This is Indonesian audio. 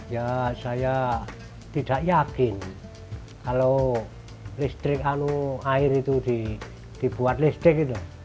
ya saya tidak yakin kalau listrik anu air itu dibuat listrik gitu